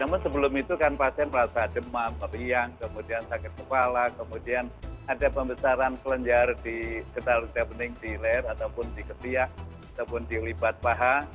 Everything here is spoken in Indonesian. namun sebelum itu kan pasien merasa demam meriang kemudian sakit kepala kemudian ada pembesaran kelenjar di getal geta bening di leher ataupun di ketiak ataupun di libat paha